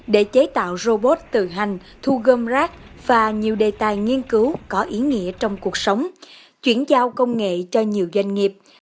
để chế tạo robot tự hành thu gom rác và nhiều đề tài nghiên cứu có ý nghĩa trong cuộc sống chuyển giao công nghệ cho nhiều doanh nghiệp